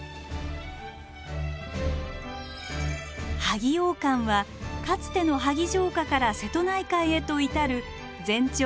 萩往還はかつての萩城下から瀬戸内海へと至る全長